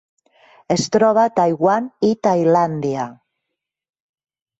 Es troba a Taiwan i Tailàndia.